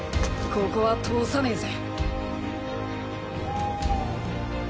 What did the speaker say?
ここは通さねえぜ。